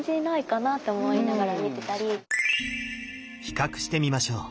比較してみましょう。